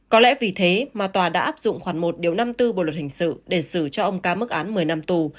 có lẽ vì thế mà tòa đã áp dụng khoảng một năm mươi bốn bộ luật hình sự để xử cho ông ca mức án một mươi năm tù